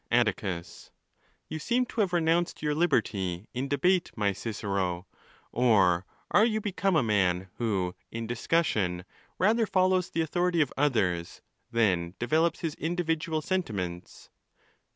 Atticus.—You seem to have renowned your liberty in debate, my Cicero; or are you become a man who, in dis 'cussion, rather follows the authority of others, than develops his individual sentiments